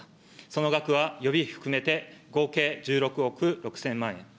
その額は予備費含めて合計１６億６０００万円。